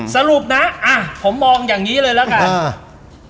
สรุปนะผมมองอย่างงี้เลยละกัน